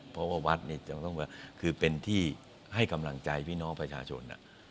เพราะว่าวัดเนี่ยจะต้องแบบคือเป็นที่ให้กำลังใจพี่น้องประชาชน